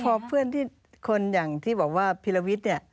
คือพอเพื่อนที่คนอย่างที่บอกว่าพิลวิทย์